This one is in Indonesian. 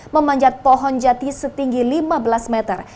memanjat pohon jati setinggi lima belas meter